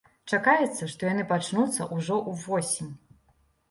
Чакаецца, што яны пачнуцца ўжо ўвосень.